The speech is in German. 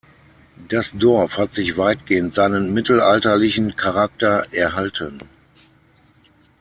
Das Dorf hat sich weitgehend seinen mittelalterlichen Charakter erhalten.